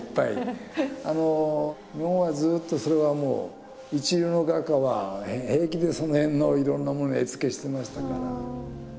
日本はずっとそれはもう一流の画家は平気でその辺のいろんなものに絵付けしてましたから。